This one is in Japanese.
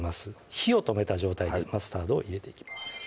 火を止めた状態でマスタードを入れていきます